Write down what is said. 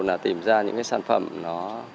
là tìm ra những cái sản phẩm nó